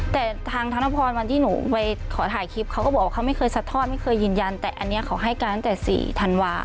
แต่ทางธนพรวันที่หนูไปขอถ่ายคลิปเขาก็บอกว่าเขาไม่เคยสัดทอดไม่เคยยืนยันแต่อันนี้เขาให้การตั้งแต่๔ธันวา